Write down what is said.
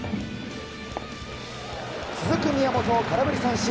続く宮本を空振り三振。